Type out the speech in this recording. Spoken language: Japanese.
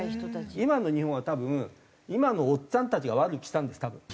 今の日本は多分今のおっちゃんたちが悪くしたんです多分。